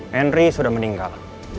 henry sudah meninggal